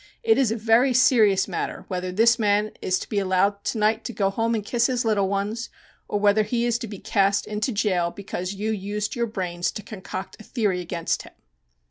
It is a very serious matter whether this man is to be allowed to night to go home and kiss his little ones, or whether he is to be cast into jail because you used your brains to concoct a theory against him."